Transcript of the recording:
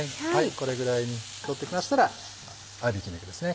これぐらいに透き通ってきましたら合いびき肉ですね